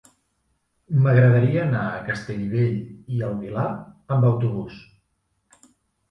M'agradaria anar a Castellbell i el Vilar amb autobús.